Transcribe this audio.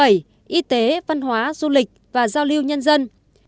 y tế văn hóa du lịch và giao lưu nhân dân